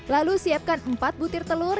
lalu siapkan empat butir telur